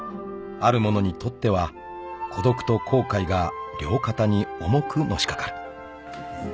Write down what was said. ［ある者にとっては孤独と後悔が両肩に重くのしかかる］